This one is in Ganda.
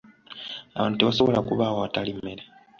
Abantu tebasobola kubaawo awatali mmere.